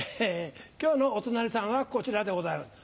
今日のお隣さんはこちらでございます。